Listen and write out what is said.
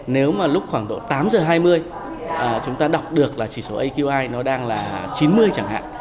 nếu mà lúc khoảng độ tám giờ hai mươi chúng ta đọc được là chỉ số aqi nó đang là chín mươi chẳng hạn